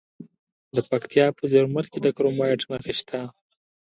د پکتیا په زرمت کې د کرومایټ نښې شته.